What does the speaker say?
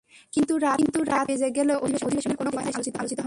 কিন্তু রাত নয়টা বেজে গেলেও দ্বিতীয় অধিবেশনের কোনো কথাই সেখানে আলোচিত হয়নি।